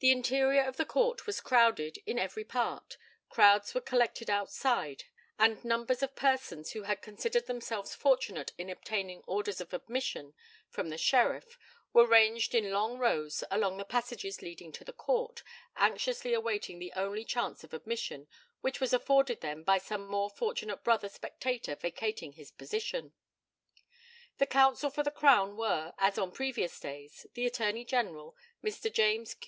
The interior of the court was crowded in every part, crowds were collected outside, and numbers of persons who had considered themselves fortunate in obtaining orders of admission from the Sheriff, were ranged in long rows along the passages leading to the court, anxiously awaiting the only chance of admission, which was afforded them by some more fortunate brother spectator vacating his position. The counsel for the Crown were, as on previous days, the Attorney General, Mr. James, Q.C.